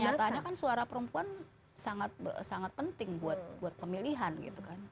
kenyataannya kan suara perempuan sangat penting buat pemilihan gitu kan